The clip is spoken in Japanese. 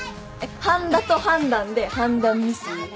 半田と判断で判断ミス。